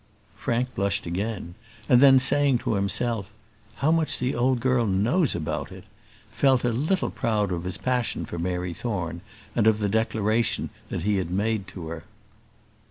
Frank blushed again; and then saying to himself, "How much the old girl knows about it!" felt a little proud of his passion for Mary Thorne, and of the declaration he had made to her.